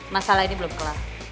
masalah ini belum kelar